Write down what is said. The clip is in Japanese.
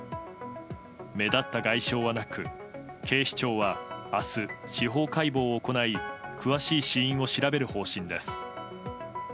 目立った外傷はなく警視庁は明日、司法解剖を行い詳しい死因を調べる方針です。